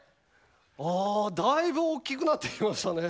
おだいぶ大きくなってきましたね。